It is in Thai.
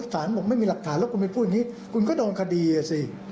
สารบอกไม่มีหลักฐานแล้วคุณไปพูดอย่างนี้คุณก็โดนคดีอ่ะสิ